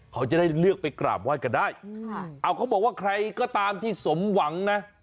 เขาจะได้เลือกไปกราบไหว้กันได้เอาเขาบอกว่าใครก็ตามที่สมหวังนะ